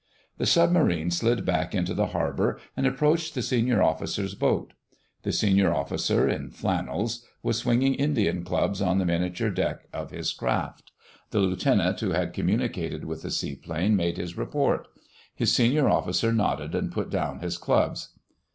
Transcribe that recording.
The Submarine slid back into the harbour and approached the Senior Officer's boat. The Senior Officer, in flannels, was swinging Indian clubs on the miniature deck of his craft. The Lieutenant who had communicated with the Seaplane made his report; his Senior Officer nodded and put down his clubs.